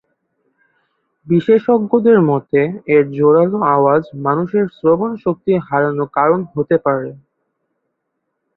বিশেষজ্ঞদের মতে এর জোরালো আওয়াজ মানুষের শ্রবণ শক্তি হারানোর কারণ হতে পারে।